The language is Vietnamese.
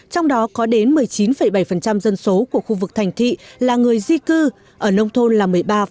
trong đó có đến một mươi chín bảy dân số của khu vực thành thị là người di cư ở nông thôn là một mươi ba